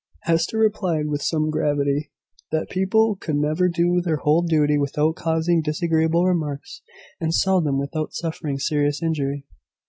Hester replied, with some gravity, that people could never do their whole duty without causing disagreeable remarks; and seldom without suffering serious injury.